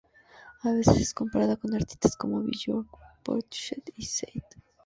A veces es comparada con artistas como Björk, Portishead y Sade.